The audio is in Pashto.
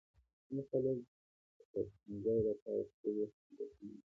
ځینې خلک د پټنځای لپاره خپلې هویتونه بدلوي.